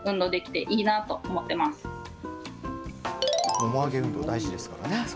もも上げ運動、大事ですからね。